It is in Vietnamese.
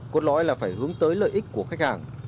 cốt lõi là phải hướng tới lợi ích của khách hàng